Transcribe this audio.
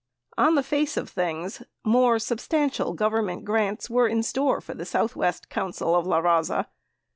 On the face of things, more substantial Government grants were in store for the Southwest Council of LaRaza.